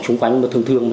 xung quanh thương thương